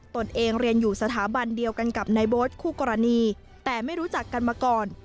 ตนเองเรียนอยู่สถาบันเดียวกันกับนายโบ๊ทคู่กรณีแต่ไม่รู้จักกันมาก่อน